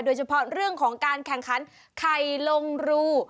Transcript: โดยเฉพาะเรื่องของการแข่งขันไข่ลงรู